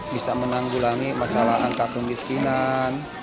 bisa menanggulangi masalah angkat pengiskinan